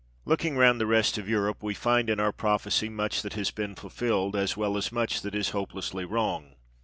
Looking round the rest of Europe, we find in our prophecy much that has been fulfilled, as well as much that is hopelessly wrong.